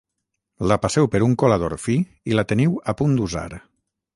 La passeu per un colador fi i la teniu a punt d'usar